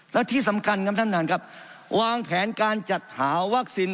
และที่สำคัญครับท่านท่านครับวางแผนการจัดหาวัคซีน